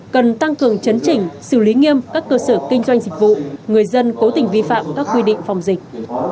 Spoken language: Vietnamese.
cần tăng cường chấn chỉnh xử lý nghiêm các cơ sở kinh doanh dịch vụ người dân cố tình vi phạm các quy định phòng dịch